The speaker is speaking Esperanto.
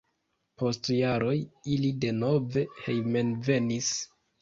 Post jaroj ili denove hejmenvenis.